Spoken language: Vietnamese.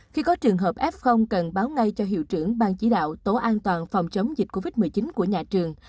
khi có trường hợp f cần báo ngay cho hiệu trưởng bang chỉ đạo tổ an toàn phòng chống dịch covid một mươi chín của nhà trường